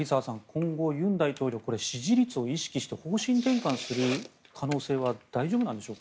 今後、尹大統領これ、支持率を意識して方針転換する可能性はどうなんでしょう。